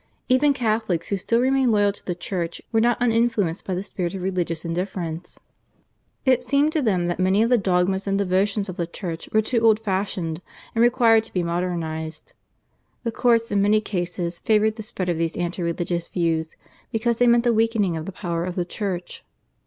Even Catholics who still remained loyal to the Church were not uninfluenced by the spirit of religious indifference. It seemed to them that many of the dogmas and devotions of the Church were too old fashioned, and required to be modernised. The courts in many cases favoured the spread of these anti religious views because they meant the weakening of the power of the Church.